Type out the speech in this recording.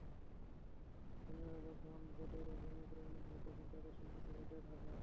সৈন্যরা যখন বদর অভিমুখে রওনা হয় তখন তাদের সংখ্যা ছিল দেড় হাজার।